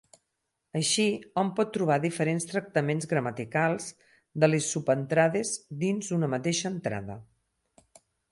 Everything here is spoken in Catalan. Així, hom pot trobar diferents tractaments gramaticals de les subentrades dins una mateixa entrada.